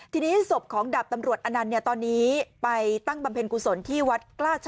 ทีนี้ศพของดาบตำรวจอนันต์ตอนนี้ไปตั้งบำเพ็ญกุศลที่วัดกล้าชะ